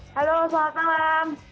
halo selamat malam